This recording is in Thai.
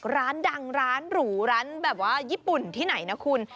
ร้านดังร้านหรูร้านแบบว่าญี่ปุ่นที่ไหนนะคุณ